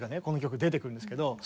この曲出てくるんですけど。